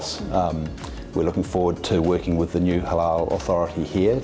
kami menantikan kerja dengan otoritas halal baru di sini